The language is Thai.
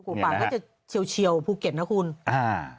ตะกัวป่าเสนอก็จะเชียวแห่งภูเกษนี่นะครับ